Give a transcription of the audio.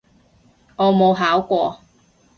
我冇考過